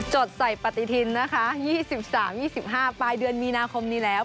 ดใส่ปฏิทินนะคะ๒๓๒๕ปลายเดือนมีนาคมนี้แล้ว